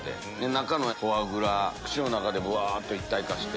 中のフォアグラ口の中でぶわっと一体化して。